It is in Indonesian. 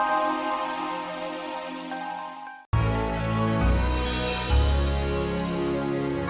lo usah ikutin gue